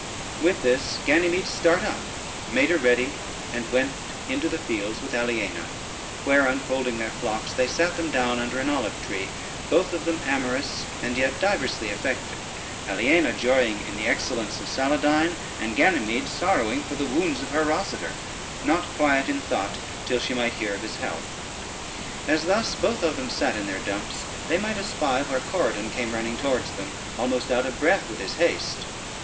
With this Ganymede start up, made her ready, and went into the fields with Aliena, where unfolding their flocks, they sate them down under an olive tree, both of them amorous, and yet diversely affected; Aliena joying in the excellence of Saladyne, and Ganymede sorrowing for the wounds of her Rosader, not quiet in thought till she might hear of his health. As thus both of them sate in their dumps, they might espy where Corydon came running towards them, almost out of breath with his haste.